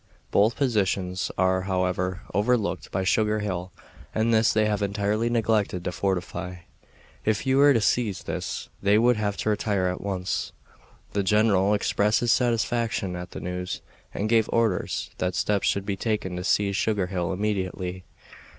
Both positions are, however, overlooked by Sugar Hill, and this they have entirely neglected to fortify. If you were to seize this they would have to retire at once." The general expressed his satisfaction at the news and gave orders that steps should be taken to seize Sugar Hill immediately.